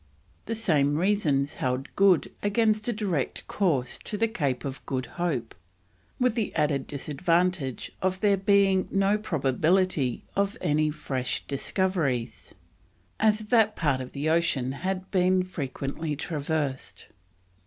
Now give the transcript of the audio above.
The same reasons held good against a direct course to the Cape of Good Hope, with the added disadvantage of there being no probability of any fresh discoveries, as that part of the Ocean had been frequently traversed.